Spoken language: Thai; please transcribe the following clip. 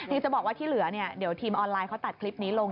ที่จะบอกว่าที่เหลือเนี่ยเดี๋ยวทีมออนไลน์เขาตัดคลิปนี้ลง